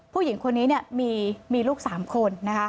ผู้หญิงคนนี้มีลูก๓คน